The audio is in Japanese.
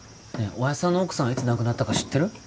おやっさんの奥さんいつ亡くなったか知ってる？